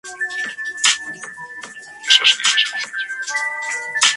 Según el número de perforaciones, el cuero puede perder más o menos valor.